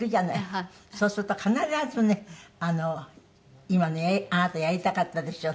そうすると必ずね「今ねあなたやりたかったでしょ」って。